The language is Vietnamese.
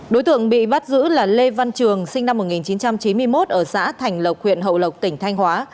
đối tượng bị bắt giữ là lê văn trường sinh năm một nghìn chín trăm chín mươi một ở xã thành lộc huyện hậu lộc tỉnh thanh hóa